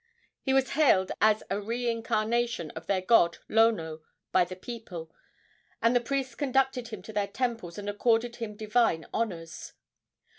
He was hailed as a reincarnation of their god Lono by the people, and the priests conducted him to their temples and accorded him divine honors.